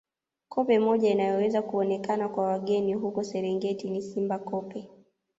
Koppe moja inayoweza kuonekana kwa wageni huko Serengeti ni Simba Koppe